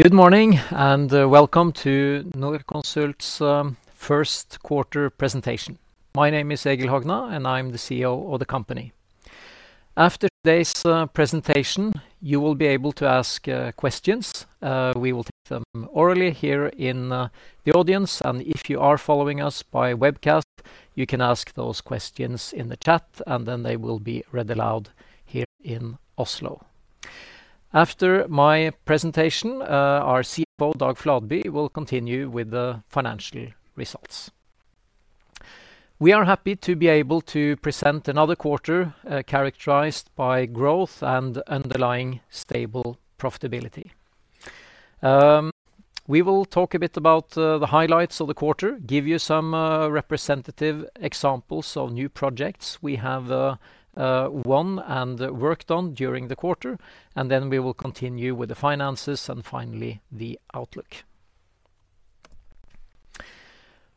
Good morning and welcome to Norconsult's first quarter presentation. My name is Egil Hogna, and I'm the CEO of the company. After today's presentation, you will be able to ask questions. We will take them orally here in the audience, and if you are following us by webcast, you can ask those questions in the chat, and then they will be read aloud here in Oslo. After my presentation, our CFO, Dag Fladby, will continue with the financial results. We are happy to be able to present another quarter characterized by growth and underlying stable profitability. We will talk a bit about the highlights of the quarter, give you some representative examples of new projects we have won and worked on during the quarter, and then we will continue with the finances and finally the outlook.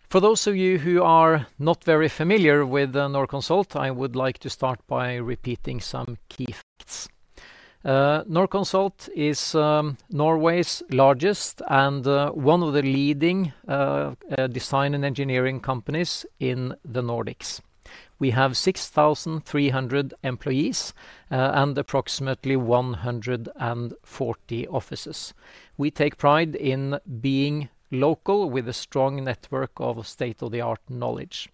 For those of you who are not very familiar with Norconsult, I would like to start by repeating some key facts. Norconsult is Norway's largest and one of the leading design and engineering companies in the Nordics. We have 6,300 employees and approximately 140 offices. We take pride in being local with a strong network of state-of-the-art knowledge.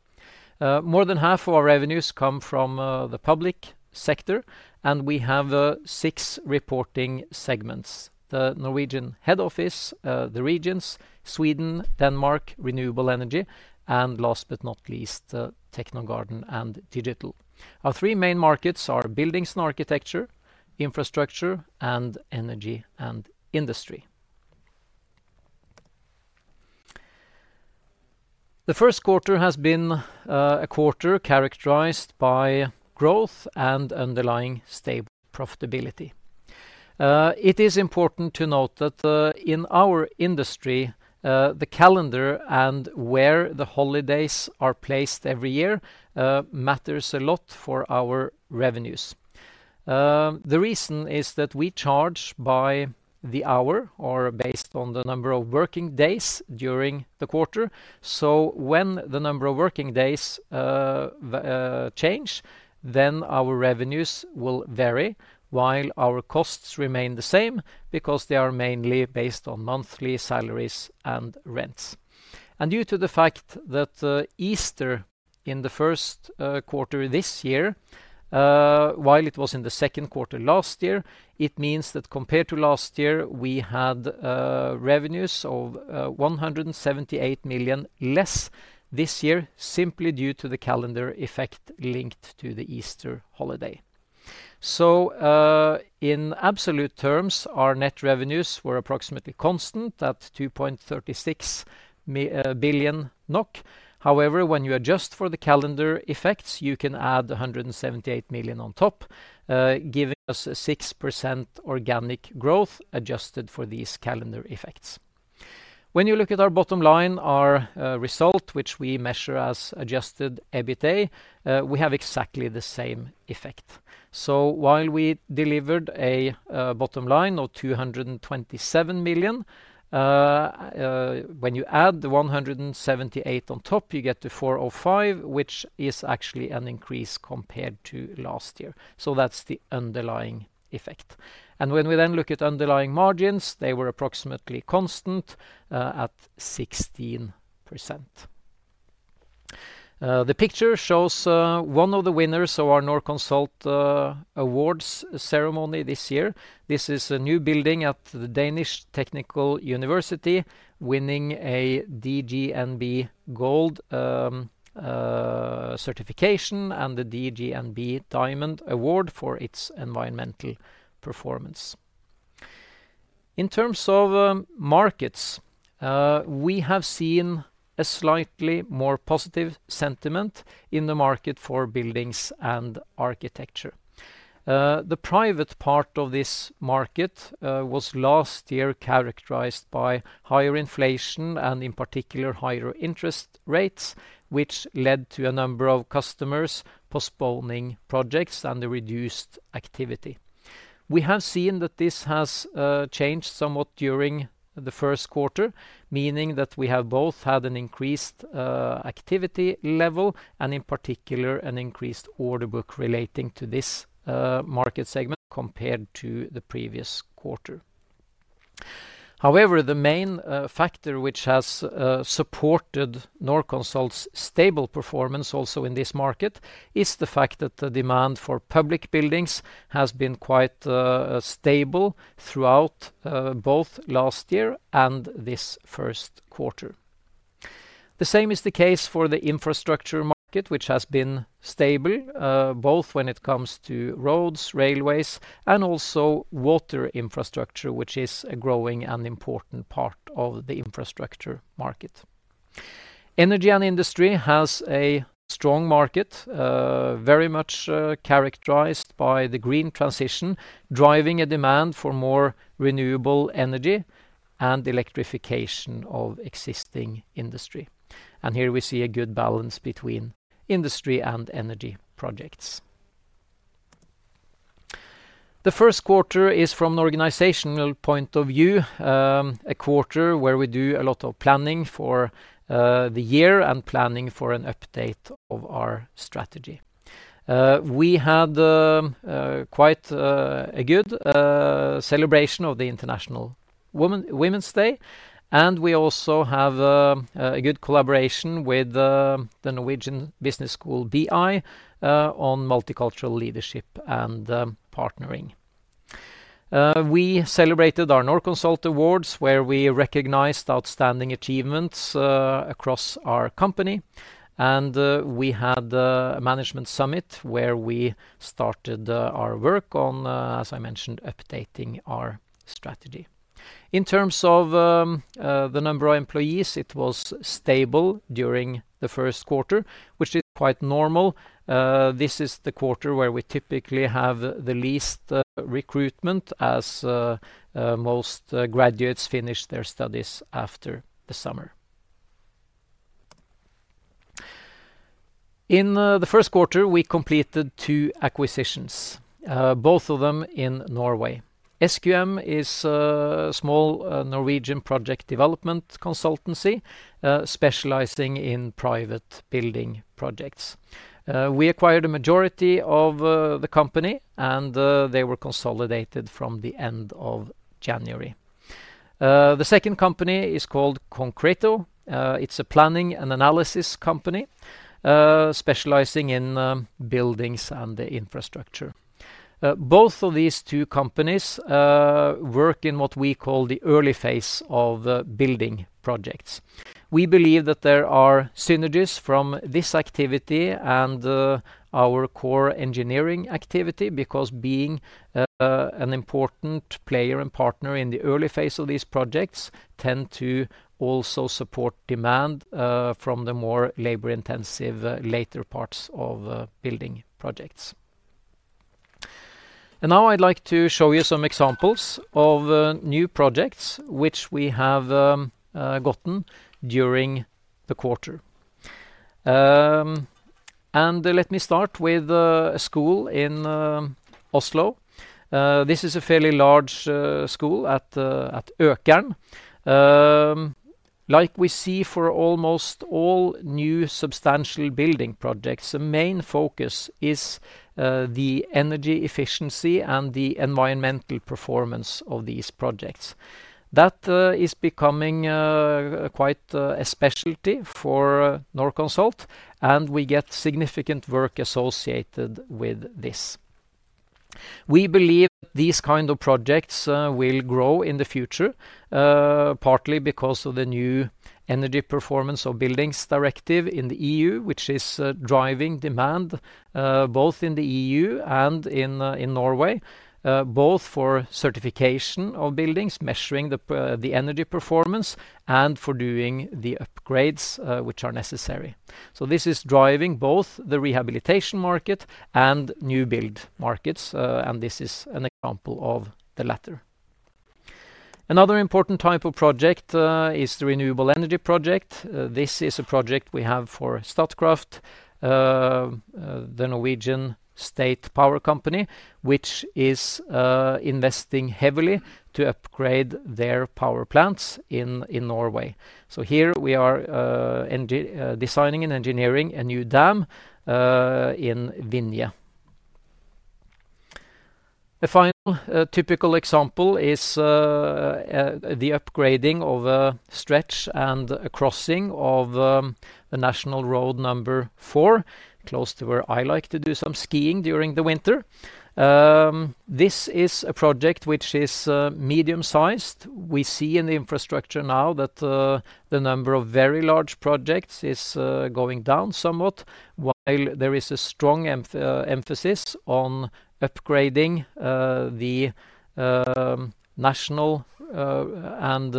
More than half of our revenues come from the public sector, and we have six reporting segments: the Norwegian head office, the regions, Sweden, Denmark, Renewable Energy, and last but not least, Technogarden and Digital. Our three main markets are buildings and architecture, infrastructure, and energy and industry. The first quarter has been a quarter characterized by growth and underlying stable profitability. It is important to note that in our industry, the calendar and where the holidays are placed every year matters a lot for our revenues. The reason is that we charge by the hour or based on the number of working days during the quarter. When the number of working days change, then our revenues will vary while our costs remain the same because they are mainly based on monthly salaries and rents. Due to the fact that Easter in the first quarter this year, while it was in the second quarter last year, it means that compared to last year, we had revenues of 178 million less this year simply due to the calendar effect linked to the Easter holiday. In absolute terms, our net revenues were approximately constant at 2.36 billion NOK. However, when you adjust for the calendar effects, you can add 178 million on top, giving us 6% organic growth adjusted for these calendar effects. When you look at our bottom line, our result, which we measure as adjusted EBITDA, we have exactly the same effect. So while we delivered a bottom line of 227 million, when you add the 178 million on top, you get to 405 million, which is actually an increase compared to last year. So that's the underlying effect. And when we then look at underlying margins, they were approximately constant at 16%. The picture shows one of the winners of our Norconsult Awards ceremony this year. This is a new building at the Technical University of Denmark winning a DGNB Gold certification and the DGNB Diamond Award for its environmental performance. In terms of markets, we have seen a slightly more positive sentiment in the market for buildings and architecture. The private part of this market was last year characterized by higher inflation and in particular, higher interest rates, which led to a number of customers postponing projects and reduced activity. We have seen that this has changed somewhat during the first quarter, meaning that we have both had an increased activity level and in particular, an increased order book relating to this market segment compared to the previous quarter. However, the main factor which has supported Norconsult's stable performance also in this market is the fact that the demand for public buildings has been quite stable throughout both last year and this first quarter. The same is the case for the infrastructure market, which has been stable both when it comes to roads, railways, and also water infrastructure, which is a growing and important part of the infrastructure market. Energy and industry has a strong market very much characterized by the green transition driving a demand for more Renewable Energy and electrification of existing industry. Here we see a good balance between industry and energy projects. The first quarter is from an organizational point of view, a quarter where we do a lot of planning for the year and planning for an update of our strategy. We had quite a good celebration of the International Women's Day, and we also have a good collaboration with the BI Norwegian Business School on multicultural leadership and partnering. We celebrated our Norconsult Awards where we recognized outstanding achievements across our company, and we had a management summit where we started our work on, as I mentioned, updating our strategy. In terms of the number of employees, it was stable during the first quarter, which is quite normal. This is the quarter where we typically have the least recruitment as most graduates finish their studies after the summer. In the first quarter, we completed two acquisitions, both of them in Norway. SQM is a small Norwegian project development consultancy specializing in private building projects. We acquired a majority of the company, and they were consolidated from the end of January. The second company is called Concreto. It's a planning and analysis company specializing in buildings and infrastructure. Both of these two companies work in what we call the early phase of building projects. We believe that there are synergies from this activity and our core engineering activity because being an important player and partner in the early phase of these projects tends to also support demand from the more labor-intensive later parts of building projects. Now I'd like to show you some examples of new projects which we have gotten during the quarter. Let me start with a school in Oslo. This is a fairly large school at Økern. Like we see for almost all new substantial building projects, the main focus is the energy efficiency and the environmental performance of these projects. That is becoming quite a specialty for Norconsult, and we get significant work associated with this. We believe that these kinds of projects will grow in the future, partly because of the new Energy Performance of Buildings Directive in the EU, which is driving demand both in the EU and in Norway, both for certification of buildings measuring the energy performance and for doing the upgrades which are necessary. So this is driving both the rehabilitation market and new build markets, and this is an example of the latter. Another important type of project is the Renewable Energy project. This is a project we have for Statkraft, the Norwegian state power company, which is investing heavily to upgrade their power plants in Norway. So here we are designing and engineering a new dam in Vinje. A final typical example is the upgrading of a stretch and a crossing of National Road 4 close to where I like to do some skiing during the winter. This is a project which is medium-sized. We see in the infrastructure now that the number of very large projects is going down somewhat while there is a strong emphasis on upgrading the national and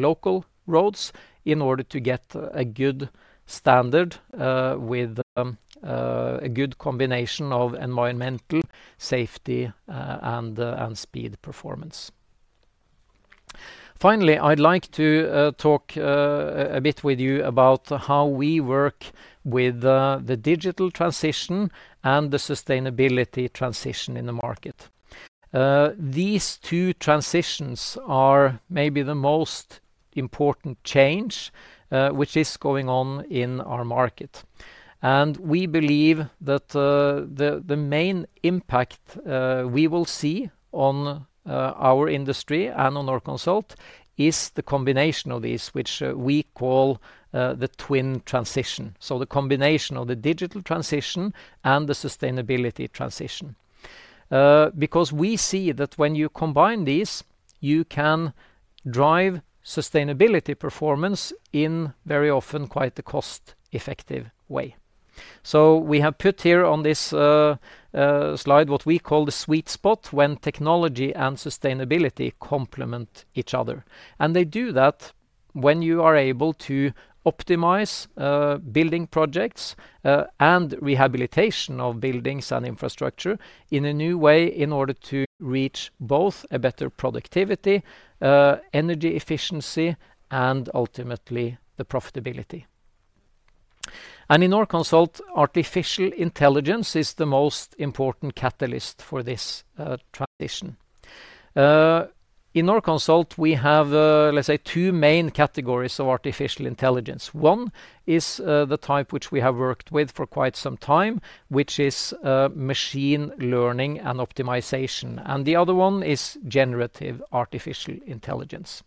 local roads in order to get a good standard with a good combination of environmental safety and speed performance. Finally, I'd like to talk a bit with you about how we work with the digital transition and the sustainability transition in the market. These two transitions are maybe the most important change which is going on in our market. We believe that the main impact we will see on our industry and on Norconsult is the combination of these, which we call the Twin Transition. The combination of the digital transition and the sustainability transition. Because we see that when you combine these, you can drive sustainability performance in very often quite a cost-effective way. We have put here on this slide what we call the sweet spot when technology and sustainability complement each other. They do that when you are able to optimize building projects and rehabilitation of buildings and infrastructure in a new way in order to reach both a better productivity, energy efficiency, and ultimately the profitability. In Norconsult, artificial intelligence is the most important catalyst for this transition. In Norconsult, we have, let's say, two main categories of artificial intelligence. One is the type which we have worked with for quite some time, which is machine learning and optimization. The other one is generative artificial intelligence.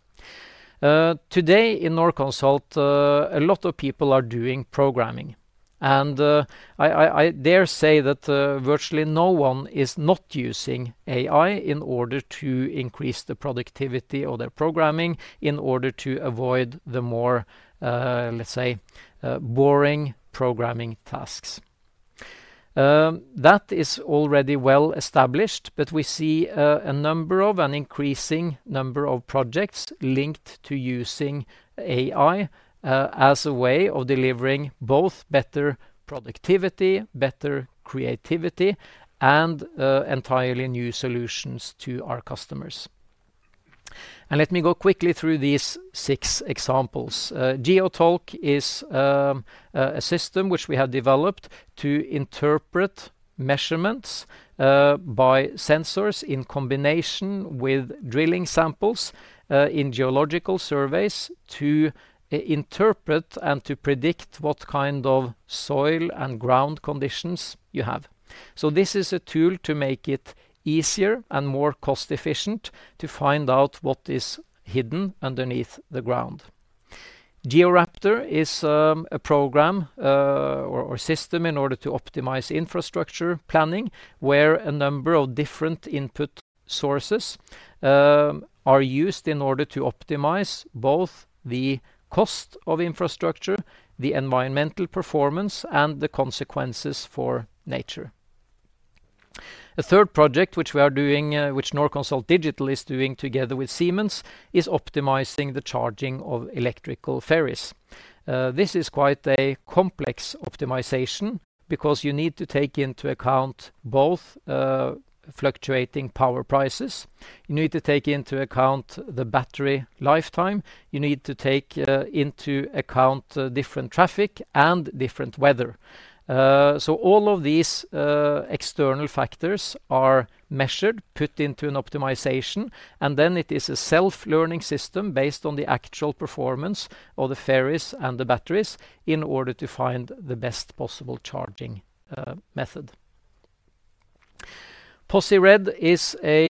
Today in Norconsult, a lot of people are doing programming. I dare say that virtually no one is not using AI in order to increase the productivity of their programming in order to avoid the more, let's say, boring programming tasks. That is already well established, but we see a number of an increasing number of projects linked to using AI as a way of delivering both better productivity, better creativity, and entirely new solutions to our customers. Let me go quickly through these six examples. GeoTolk is a system which we have developed to interpret measurements by sensors in combination with drilling samples in geological surveys to interpret and to predict what kind of soil and ground conditions you have. So this is a tool to make it easier and more cost-efficient to find out what is hidden underneath the ground. GeoRaptor is a program or system in order to optimize infrastructure planning where a number of different input sources are used in order to optimize both the cost of infrastructure, the environmental performance, and the consequences for nature. A third project which we are doing, which Norconsult Digital is doing together with Siemens, is optimizing the charging of electrical ferries. This is quite a complex optimization because you need to take into account both fluctuating power prices. You need to take into account the battery lifetime. You need to take into account different traffic and different weather. So all of these external factors are measured, put into an optimization, and then it is a self-learning system based on the actual performance of the ferries and the batteries in order to find the best possible charging method. POSI-RED is a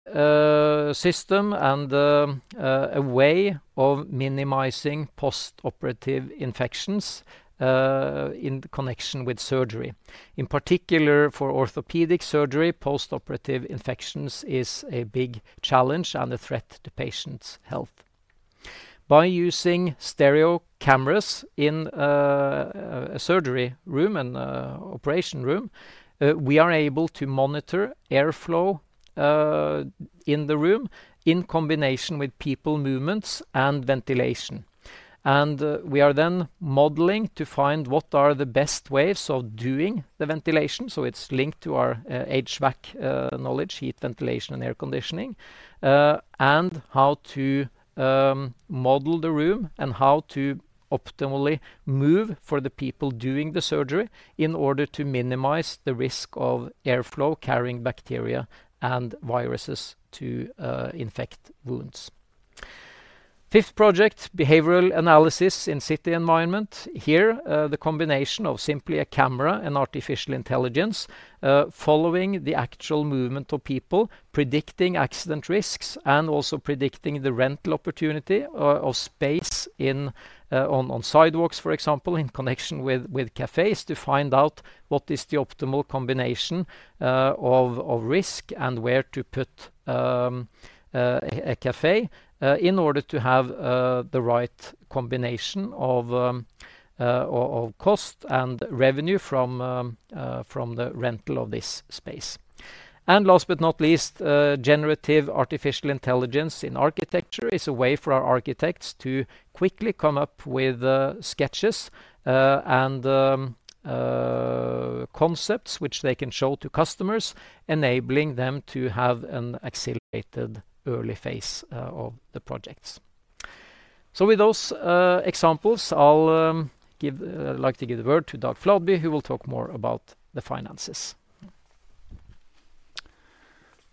system and a way of minimizing post-operative infections in connection with surgery. In particular, for orthopedic surgery, post-operative infections are a big challenge and a threat to patients' health. By using stereo cameras in a surgery room, an operation room, we are able to monitor airflow in the room in combination with people movements and ventilation. We are then modeling to find what are the best ways of doing the ventilation. It's linked to our HVAC knowledge, heat, ventilation, and air conditioning, and how to model the room and how to optimally move for the people doing the surgery in order to minimize the risk of airflow carrying bacteria and viruses to infect wounds. Fifth project, behavioral analysis in city environment. Here, the combination of simply a camera and artificial intelligence following the actual movement of people, predicting accident risks, and also predicting the rental opportunity of space on sidewalks, for example, in connection with cafés to find out what is the optimal combination of risk and where to put a café in order to have the right combination of cost and revenue from the rental of this space. And last but not least, generative artificial intelligence in architecture is a way for our architects to quickly come up with sketches and concepts which they can show to customers, enabling them to have an accelerated early phase of the projects. So with those examples, I'd like to give the word to Dag Fladby, who will talk more about the finances.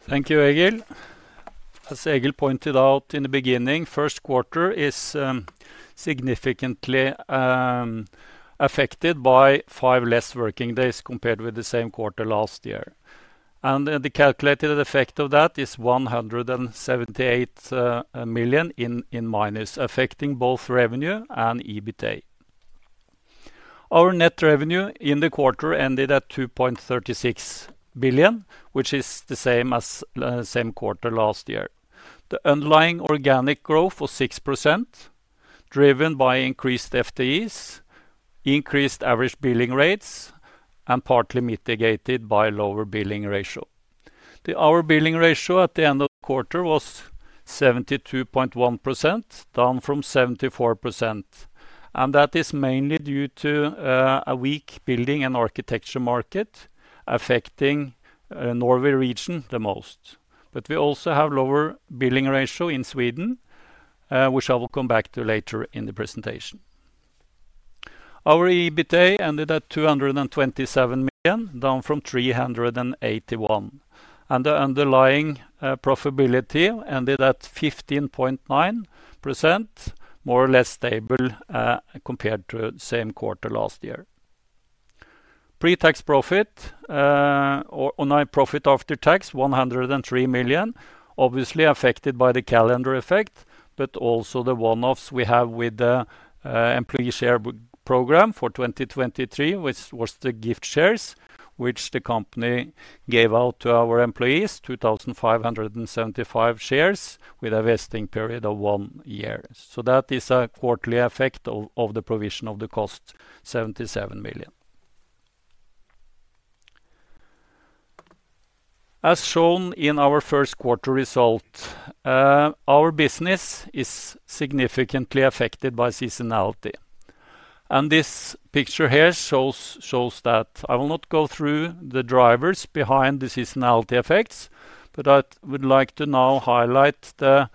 Thank you, Egil. As Egil pointed out in the beginning, the first quarter is significantly affected by five less working days compared with the same quarter last year. The calculated effect of that is 178 million in minus, affecting both revenue and EBITDA. Our net revenue in the quarter ended at 2.36 billion, which is the same as the same quarter last year. The underlying organic growth was 6%, driven by increased FTEs, increased average billing rates, and partly mitigated by lower billing ratio. Our billing ratio at the end of the quarter was 72.1%, down from 74%. That is mainly due to a weak building and architecture market affecting the Norway Region the most. We also have a lower billing ratio in Sweden, which I will come back to later in the presentation. Our EBITDA ended at 227 million, down from 381 million. The underlying profitability ended at 15.9%, more or less stable compared to the same quarter last year. Pre-tax profit or profit after tax, 103 million, obviously affected by the calendar effect, but also the one-offs we have with the employee share program for 2023, which was the gift shares, which the company gave out to our employees, 2,575 shares with a vesting period of one year. So that is a quarterly effect of the provision of the cost, 77 million. As shown in our first quarter result, our business is significantly affected by seasonality. This picture here shows that I will not go through the drivers behind the seasonality effects, but I would like to now highlight the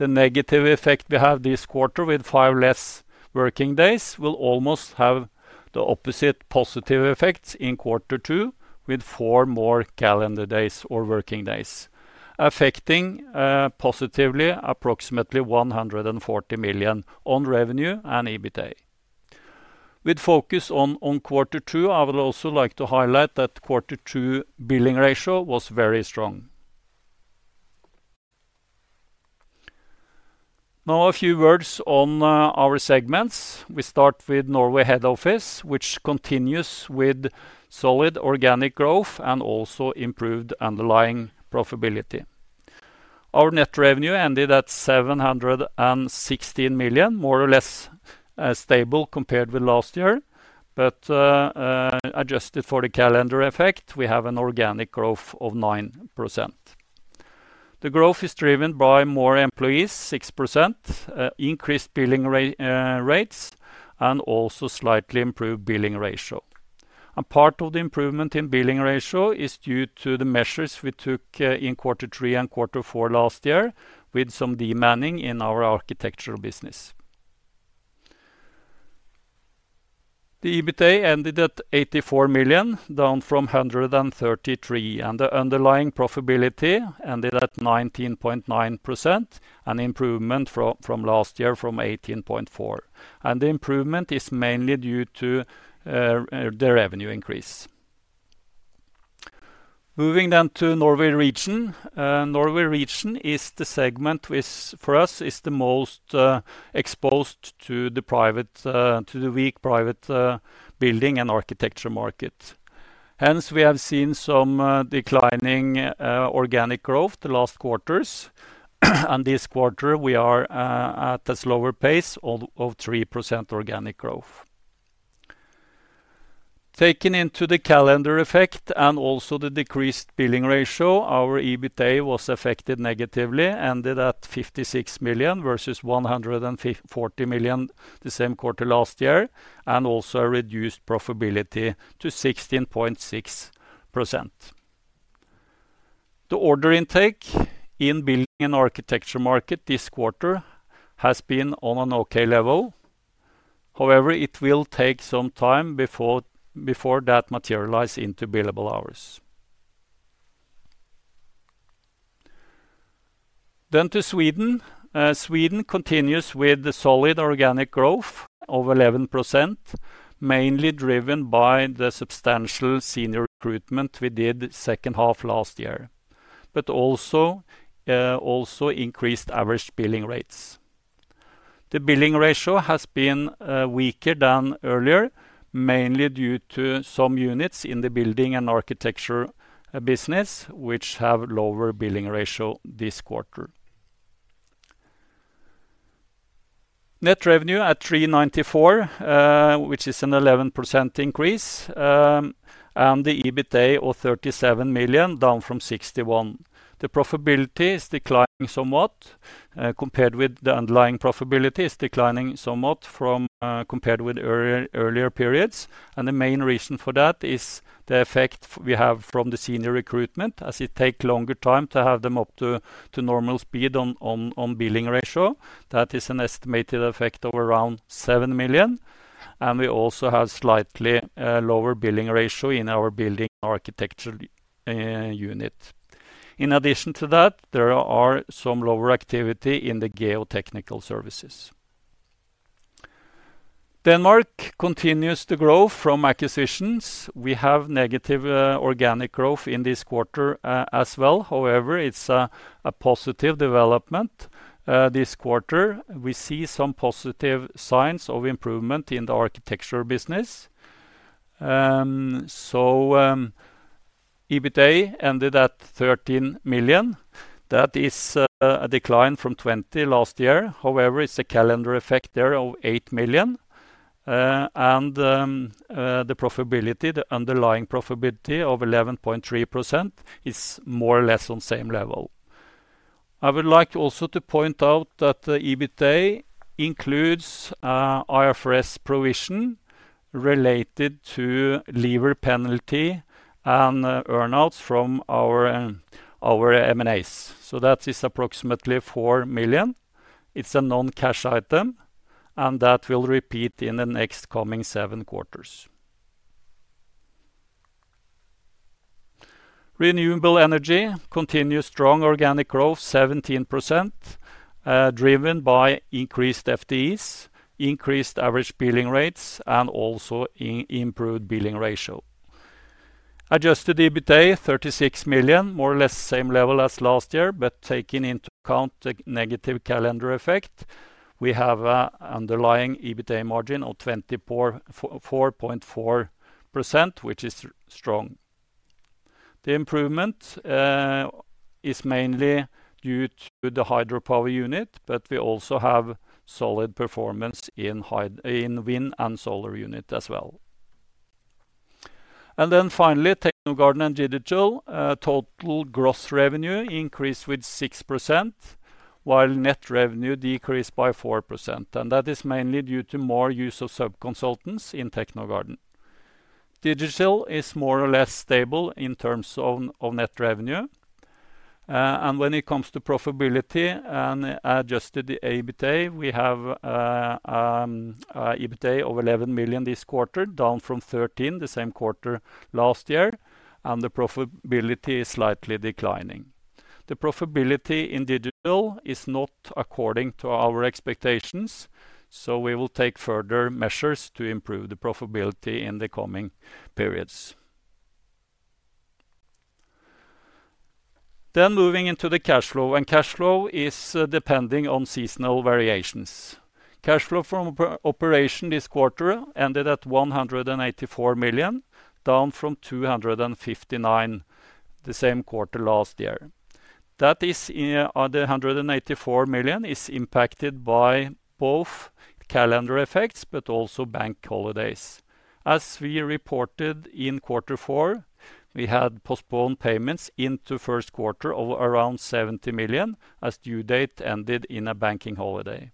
negative effect we have this quarter with five less working days. We'll almost have the opposite positive effects in quarter two with 4 more calendar days or working days, affecting positively approximately 140 million on revenue and EBITDA. With focus on quarter two, I would also like to highlight that quarter two billing ratio was very strong. Now, a few words on our segments. We start with Norway Head Office, which continues with solid organic growth and also improved underlying profitability. Our net revenue ended at 716 million, more or less stable compared with last year, but adjusted for the calendar effect, we have an organic growth of 9%. The growth is driven by more employees, 6%, increased billing rates, and also slightly improved billing ratio. And part of the improvement in billing ratio is due to the measures we took in quarter three and quarter four last year with some demanding in our architectural business. The EBITDA ended at 84 million, down from 133 million. The underlying profitability ended at 19.9%, an improvement from last year from 18.4%. The improvement is mainly due to the revenue increase. Moving then to Norway Region. Norway Region is the segment for us is the most exposed to the weak private building and architecture market. Hence, we have seen some declining organic growth the last quarters. This quarter, we are at a slower pace of 3% organic growth. Taken into the calendar effect and also the decreased billing ratio, our EBITDA was affected negatively, ended at 56 million versus 140 million the same quarter last year, and also a reduced profitability to 16.6%. The order intake in building and architecture market this quarter has been on an okay level. However, it will take some time before that materializes into billable hours. To Sweden. Sweden continues with solid organic growth of 11%, mainly driven by the substantial senior recruitment we did second half last year, but also increased average billing rates. The billing ratio has been weaker than earlier, mainly due to some units in the building and architecture business, which have a lower billing ratio this quarter. Net revenue at 394 million, which is an 11% increase, and the EBITDA of 37 million, down from 61 million. The profitability is declining somewhat compared with the underlying profitability is declining somewhat compared with earlier periods. And the main reason for that is the effect we have from the senior recruitment, as it takes longer time to have them up to normal speed on billing ratio. That is an estimated effect of around 7 million. And we also have a slightly lower billing ratio in our building and architecture unit. In addition to that, there are some lower activity in the geotechnical services. Denmark continues to grow from acquisitions. We have negative organic growth in this quarter as well. However, it's a positive development this quarter. We see some positive signs of improvement in the architecture business. So EBITDA ended at 13 million. That is a decline from 20 million last year. However, it's a calendar effect there of 8 million. And the profitability, the underlying profitability of 11.3% is more or less on the same level. I would like also to point out that the EBITDA includes IFRS provision related to leaver penalty and earnouts from our M&As. So that is approximately 4 million. It's a non-cash item. And that will repeat in the next coming seven quarters. Renewable Energy continues strong organic growth, 17%, driven by increased FTEs, increased average billing rates, and also improved billing ratio. Adjusted EBITDA, 36 million, more or less the same level as last year, but taking into account the negative calendar effect, we have an underlying EBITDA margin of 24.4%, which is strong. The improvement is mainly due to the hydropower unit, but we also have solid performance in wind and solar unit as well. And then finally, Technogarden and Digital, total gross revenue increased with 6% while net revenue decreased by 4%. And that is mainly due to more use of subconsultants in Technogarden. Digital is more or less stable in terms of net revenue. And when it comes to profitability and adjusted the EBITDA, we have EBITDA of 11 million this quarter, down from 13 million the same quarter last year. And the profitability is slightly declining. The profitability in Digital is not according to our expectations. We will take further measures to improve the profitability in the coming periods. Moving into the cash flow. Cash flow is depending on seasonal variations. Cash flow from operation this quarter ended at 184 million, down from 259 million the same quarter last year. That is, the 184 million is impacted by both calendar effects, but also bank holidays. As we reported in quarter four, we had postponed payments into first quarter of around 70 million as due date ended in a banking holiday.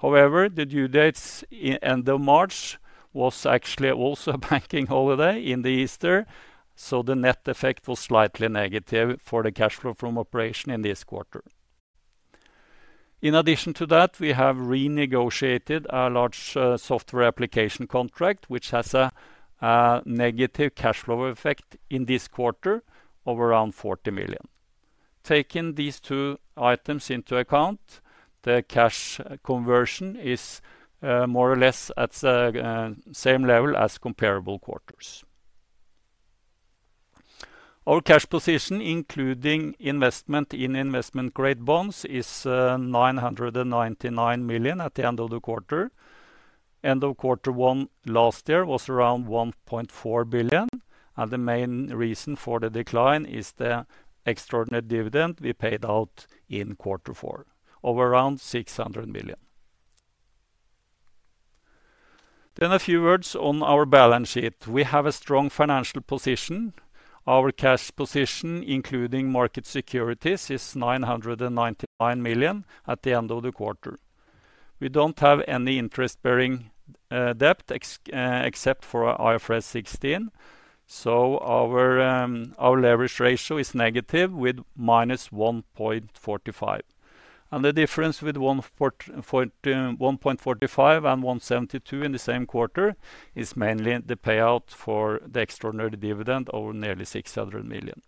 However, the due date at the end of March was actually also a banking holiday in the Easter. The net effect was slightly negative for the cash flow from operation in this quarter. In addition to that, we have renegotiated a large software application contract, which has a negative cash flow effect in this quarter of around 40 million. Taking these two items into account, the cash conversion is more or less at the same level as comparable quarters. Our cash position, including investment in investment-grade bonds, is 999 million at the end of the quarter. End of quarter one last year was around 1.4 billion. The main reason for the decline is the extraordinary dividend we paid out in quarter four of around 600 million. A few words on our balance sheet. We have a strong financial position. Our cash position, including market securities, is 999 million at the end of the quarter. We don't have any interest-bearing debt except for IFRS 16. So our leverage ratio is negative with -1.45. The difference with 1.45 and 1.72 in the same quarter is mainly the payout for the extraordinary dividend over nearly 600 million.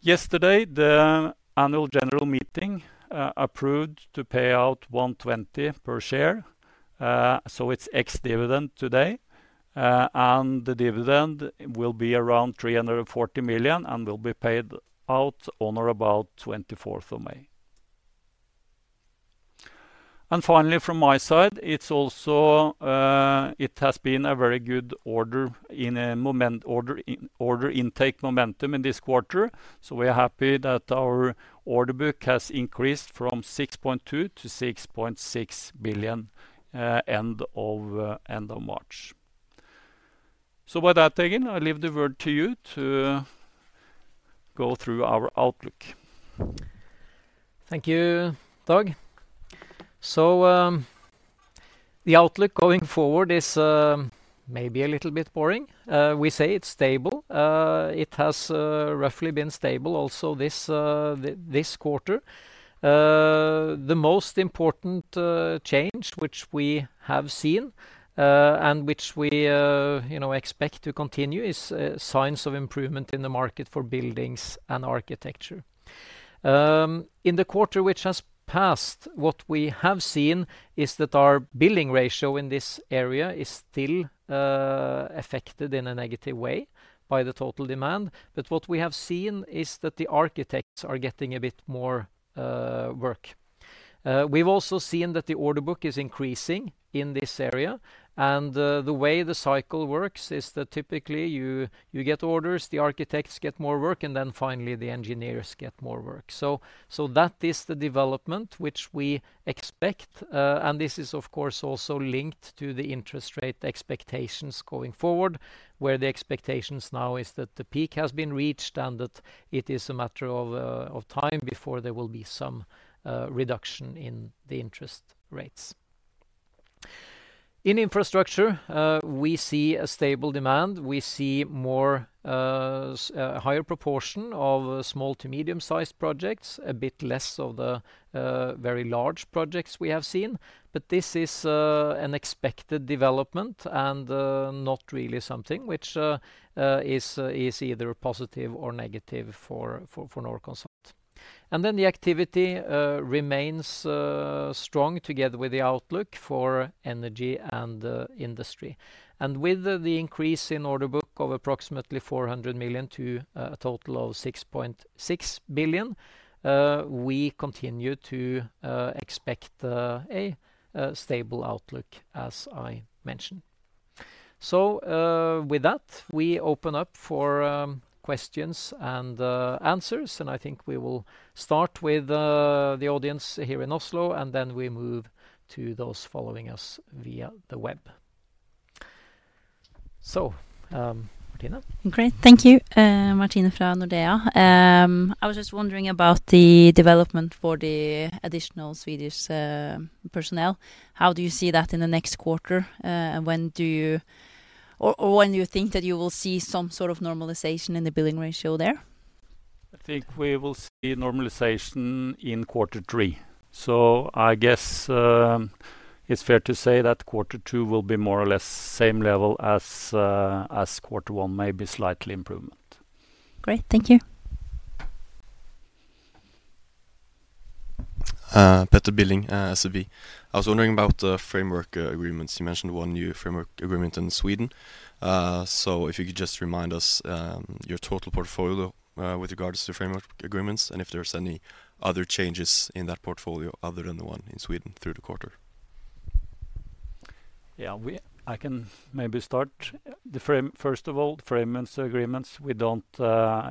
Yesterday, the annual general meeting approved to pay out 1.20 per share. So it's ex-dividend today. And the dividend will be around 340 million and will be paid out on or about 24th of May. And finally, from my side, it's also it has been a very good order in order intake momentum in this quarter. So we are happy that our order book has increased from 6.2 billion to 6.6 billion end of end of March. So with that, Egil, I leave the word to you to go through our outlook. Thank you, Dag. So the outlook going forward is maybe a little bit boring. We say it's stable. It has roughly been stable also this this quarter. The most important change which we have seen and which we expect to continue is signs of improvement in the market for buildings and architecture. In the quarter which has passed, what we have seen is that our billing ratio in this area is still affected in a negative way by the total demand. But what we have seen is that the architects are getting a bit more work. We've also seen that the order book is increasing in this area. And the way the cycle works is that typically you get orders, the architects get more work, and then finally the engineers get more work. So that is the development which we expect. And this is, of course, also linked to the interest rate expectations going forward, where the expectations now is that the peak has been reached and that it is a matter of time before there will be some reduction in the interest rates. In infrastructure, we see a stable demand. We see a higher proportion of small to medium-sized projects, a bit less of the very large projects we have seen. But this is an expected development and not really something which is either positive or negative for Norconsult. And then the activity remains strong together with the outlook for energy and industry. And with the increase in order book of approximately 400 million to a total of 6.6 billion, we continue to expect a stable outlook, as I mentioned. So with that, we open up for questions and answers. And I think we will start with the audience here in Oslo, and then we move to those following us via the web. So, Martine. Great. Thank you. Martine from Nordea. I was just wondering about the development for the additional Swedish personnel. How do you see that in the next quarter? When do you think that you will see some sort of normalization in the billing ratio there? I think we will see normalization in quarter three. So I guess it's fair to say that quarter two will be more or less the same level as quarter one, maybe slightly improvement. Great. Thank you. Petter Billing, SEB. I was wondering about the framework agreements. You mentioned one new framework agreement in Sweden. So if you could just remind us your total portfolio with regards to framework agreements and if there's any other changes in that portfolio other than the one in Sweden through the quarter. Yeah. I can maybe start. First of all, the framework agreements, we don't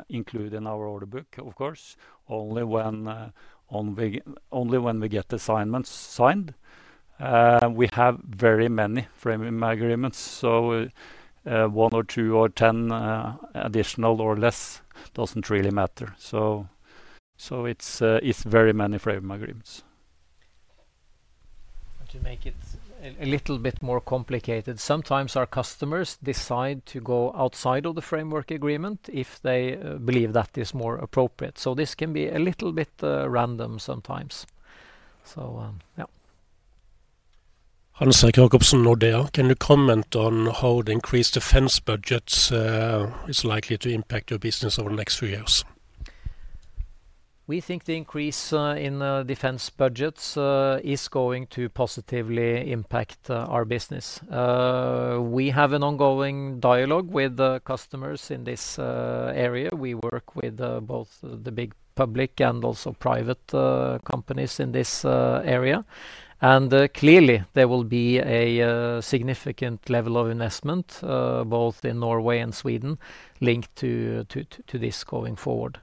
include in our order book, of course, only when we get assignments signed. We have very many framework agreements. So one or two or ten additional or less doesn't really matter. So it's very many framework agreements. To make it a little bit more complicated, sometimes our customers decide to go outside of the framework agreement if they believe that is more appropriate. So this can be a little bit random sometimes. So yeah. Hans-Erik Jacobsen, Nordea. Can you comment on how the increased defense budgets is likely to impact your business over the next few years? We think the increase in defense budgets is going to positively impact our business. We have an ongoing dialogue with customers in this area. We work with both the big public and also private companies in this area. And clearly, there will be a significant level of investment both in Norway and Sweden linked to this going forward.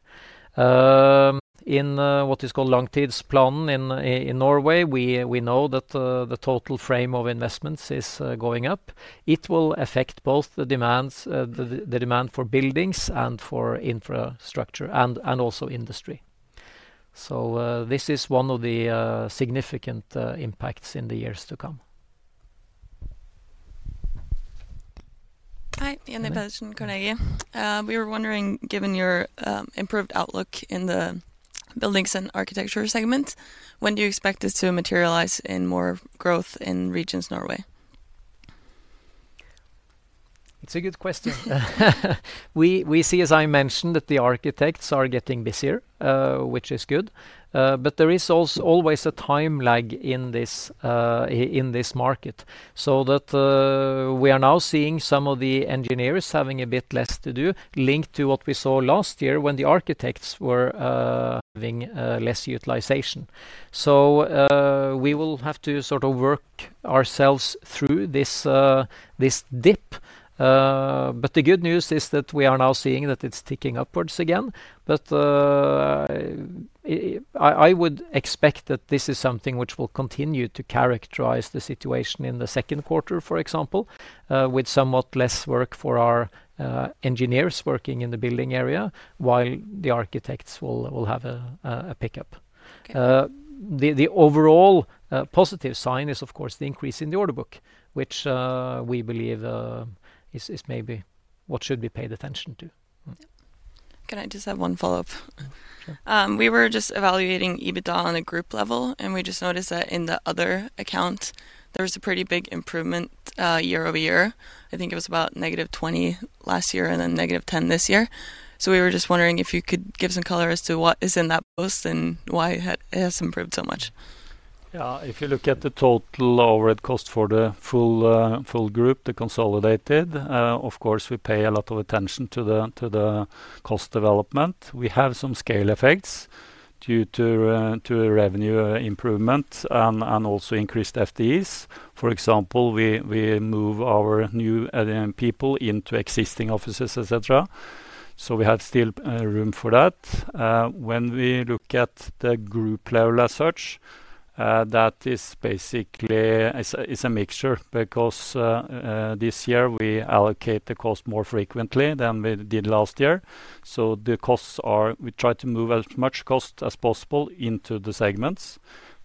In what is called Langtidsplanen in Norway, we know that the total frame of investments is going up. It will affect both the demand for buildings and for infrastructure and also industry. So this is one of the significant impacts in the years to come. Hi. Jenny Pihlzon, Carnegie. We were wondering, given your improved outlook in the buildings and architecture segment, when do you expect this to materialize in more growth in regions Norway? It's a good question. We see, as I mentioned, that the architects are getting busier, which is good. But there is always a time lag in this market so that we are now seeing some of the engineers having a bit less to do linked to what we saw last year when the architects were having less utilization. So we will have to sort of work ourselves through this dip. But the good news is that we are now seeing that it's ticking upwards again. But I would expect that this is something which will continue to characterize the situation in the second quarter, for example, with somewhat less work for our engineers working in the building area while the architects will have a pickup. The overall positive sign is, of course, the increase in the order book, which we believe is maybe what should be paid attention to. Can I just have one follow-up? Sure. We were just evaluating EBITDA on a group level, and we just noticed that in the other account, there was a pretty big improvement year-over-year. I think it was about negative 20 last year and then negative 10 this year. So we were just wondering if you could give some color as to what is in that post and why it has improved so much. Yeah. If you look at the total overhead cost for the full group, the consolidated, of course, we pay a lot of attention to the cost development. We have some scale effects due to revenue improvement and also increased FTEs. For example, we move our new people into existing offices, etc. So we have still room for that. When we look at the group level as such, that is basically a mixture because this year, we allocate the cost more frequently than we did last year. So the costs are we try to move as much cost as possible into the segments.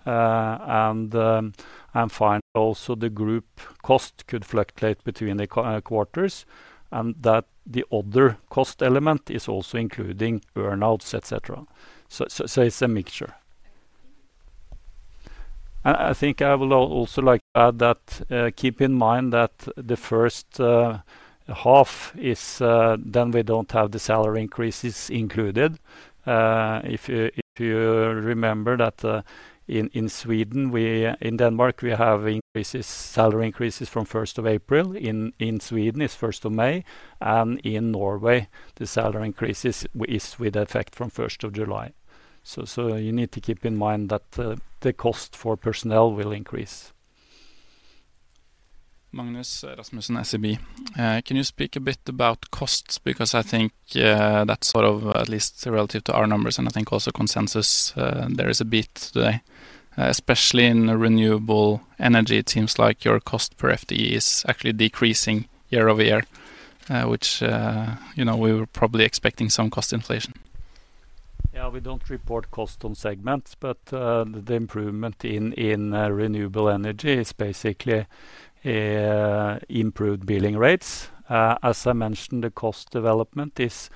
And I'm finding also the group cost could fluctuate between the quarters and that the other cost element is also including earnouts, etc. So it's a mixture. I think I will also like to add that keep in mind that the first half is then we don't have the salary increases included. If you remember that in Sweden, in Denmark, we have salary increases from 1st of April. In Sweden is 1st of May. And in Norway, the salary increases is with effect from 1st of July. So you need to keep in mind that the cost for personnel will increase. Magnus Rasmussen, SEB. Can you speak a bit about costs because I think that's sort of at least relative to our numbers. And I think also consensus, there is a beat today, especially in Renewable Energy. It seems like your cost per FTE is actually decreasing year-over-year, which we were probably expecting some cost inflation. Yeah. We don't report cost on segments, but the improvement in Renewable Energy is basically improved billing rates. As I mentioned, the cost development is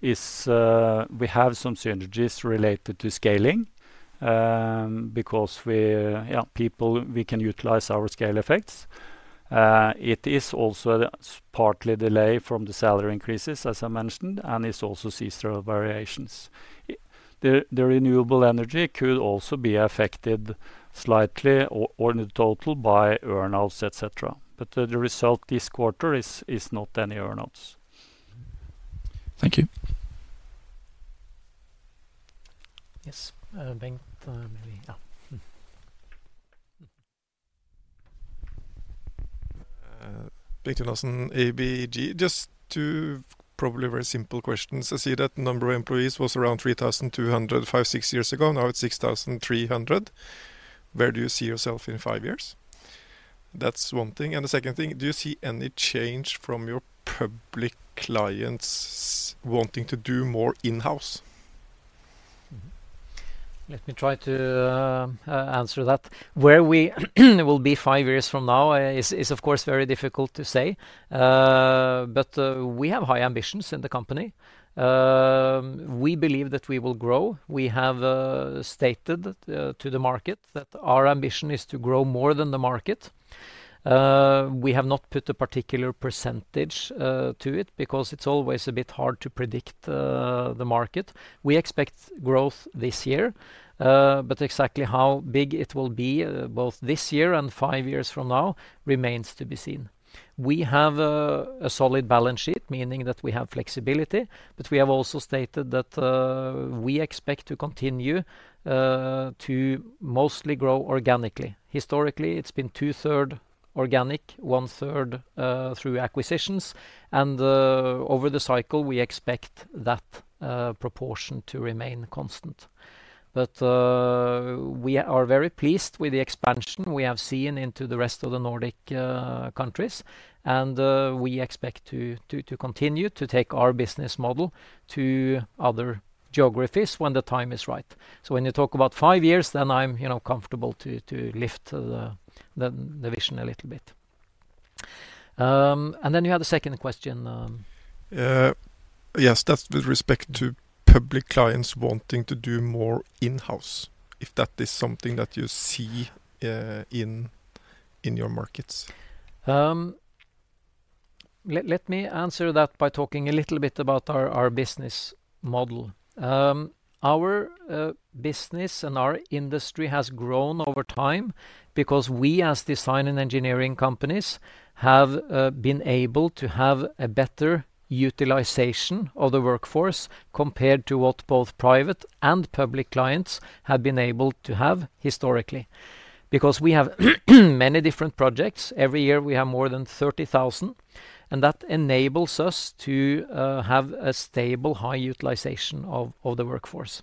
we have some synergies related to scaling because we can utilize our scale effects. It is also partly delayed from the salary increases, as I mentioned, and is also sees through variations. The Renewable Energy could also be affected slightly or in the total by earnouts, etc. But the result this quarter is not any earnouts. Thank you. Yes. Bengt, maybe. Yeah. Bengt Jonassen, ABG. Just two probably very simple questions. I see that number of employees was around 3,200 five, six years ago. Now it's 6,300. Where do you see yourself in five years? That's one thing. And the second thing, do you see any change from your public clients wanting to do more in-house? Let me try to answer that. Where we will be five years from now is, of course, very difficult to say. We have high ambitions in the company. We believe that we will grow. We have stated to the market that our ambition is to grow more than the market. We have not put a particular percentage to it because it's always a bit hard to predict the market. We expect growth this year. But exactly how big it will be both this year and five years from now remains to be seen. We have a solid balance sheet, meaning that we have flexibility. We have also stated that we expect to continue to mostly grow organically. Historically, it's been two-thirds organic, one-third through acquisitions. And over the cycle, we expect that proportion to remain constant. We are very pleased with the expansion we have seen into the rest of the Nordic countries. We expect to continue to take our business model to other geographies when the time is right. So when you talk about five years, then I'm comfortable to lift the vision a little bit. Then you had a second question. Yes. That's with respect to public clients wanting to do more in-house, if that is something that you see in your markets. Let me answer that by talking a little bit about our business model. Our business and our industry has grown over time because we, as design and engineering companies, have been able to have a better utilization of the workforce compared to what both private and public clients have been able to have historically because we have many different projects. Every year, we have more than 30,000. That enables us to have a stable, high utilization of the workforce.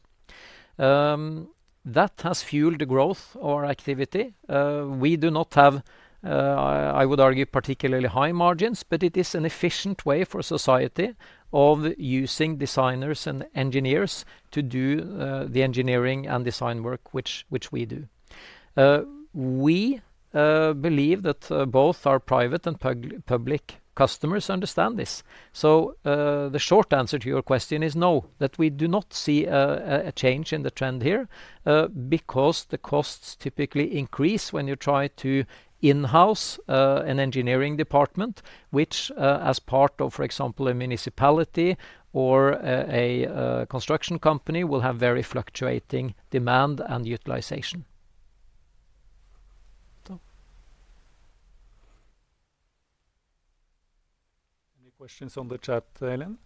That has fueled the growth of our activity. We do not have, I would argue, particularly high margins, but it is an efficient way for society of using designers and engineers to do the engineering and design work which we do. We believe that both our private and public customers understand this. So the short answer to your question is no, that we do not see a change in the trend here because the costs typically increase when you try to in-house an engineering department, which, as part of, for example, a municipality or a construction company, will have very fluctuating demand and utilization. So. Any questions on the chat, Elin?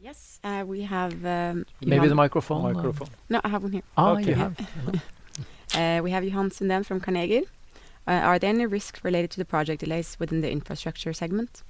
Yes. We have. Maybe the microphone. Microphone. No, I have one here. Oh, you have. We have Johannes Sundell from Carnegie. Are there any risks related to the project delays within the infrastructure segment?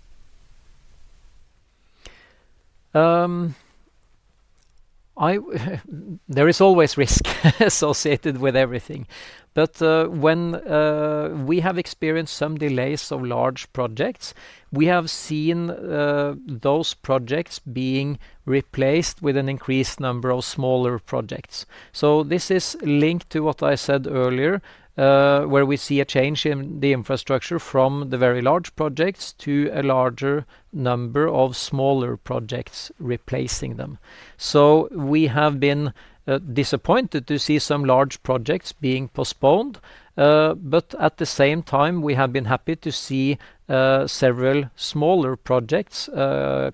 There is always risk associated with everything. But when we have experienced some delays of large projects, we have seen those projects being replaced with an increased number of smaller projects. So this is linked to what I said earlier, where we see a change in the infrastructure from the very large projects to a larger number of smaller projects replacing them. So we have been disappointed to see some large projects being postponed. But at the same time, we have been happy to see several smaller projects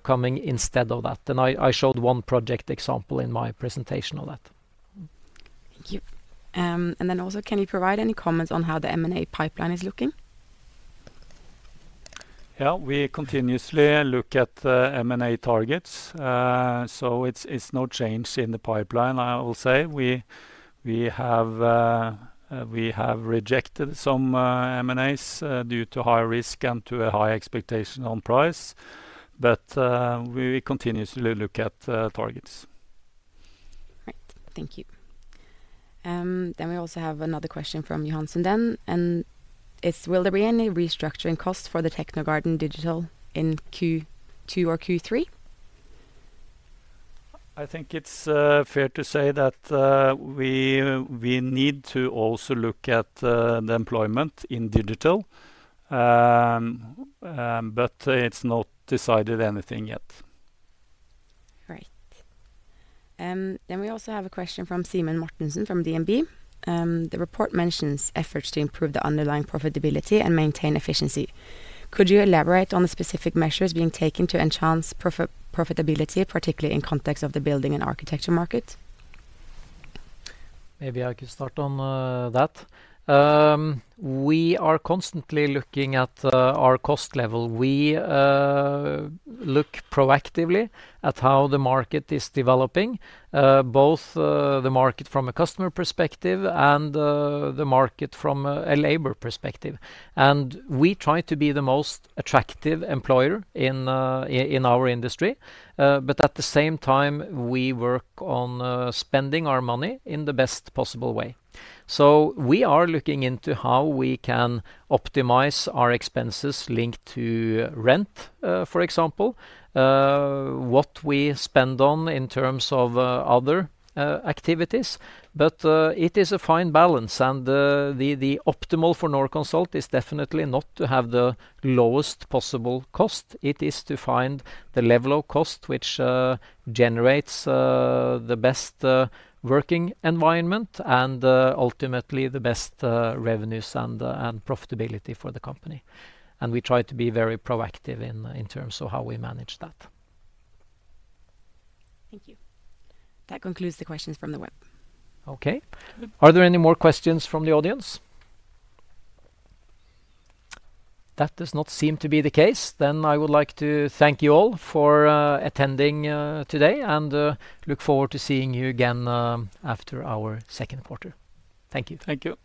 coming instead of that. And I showed one project example in my presentation of that. Thank you. And then also, can you provide any comments on how the M&A pipeline is looking? Yeah. We continuously look at M&A targets. So it's no change in the pipeline, I will say. We have rejected some M&As due to high risk and to a high expectation on price. But we continuously look at targets. Great. Thank you. Then we also have another question from Johannes Sundell. And it's, "Will there be any restructuring costs for the Technogarden Digital in Q2 or Q3?" I think it's fair to say that we need to also look at the employment in digital. But it's not decided anything yet. Great. Then we also have a question from Simen Mortensen from DNB. The report mentions efforts to improve the underlying profitability and maintain efficiency. Could you elaborate on the specific measures being taken to enhance profitability, particularly in context of the building and architecture market? Maybe I could start on that. We are constantly looking at our cost level. We look proactively at how the market is developing, both the market from a customer perspective and the market from a labor perspective. We try to be the most attractive employer in our industry. But at the same time, we work on spending our money in the best possible way. So we are looking into how we can optimize our expenses linked to rent, for example, what we spend on in terms of other activities. But it is a fine balance. The optimal for Norconsult is definitely not to have the lowest possible cost. It is to find the level of cost which generates the best working environment and ultimately the best revenues and profitability for the company. We try to be very proactive in terms of how we manage that. Thank you. That concludes the questions from the web. Okay. Are there any more questions from the audience? That does not seem to be the case. Then I would like to thank you all for attending today and look forward to seeing you again after our second quarter. Thank you. Thank you.